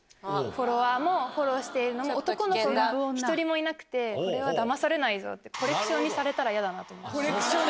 フォロワーも、フォローしているのも、男の子１人もいなくて、これはだまされないぞと、コレクションにされたら嫌だなと思いました。